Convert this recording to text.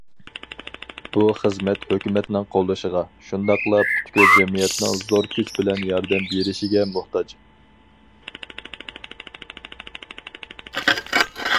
بۇ خىزمەت ھۆكۈمەتنىڭ قوللىشىغا، شۇنداقلا پۈتكۈل جەمئىيەتنىڭ زور كۈچ بىلەن ياردەم بېرىشىگە موھتاج.